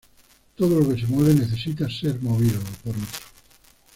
Todo lo que se mueve necesita ser movido por otro.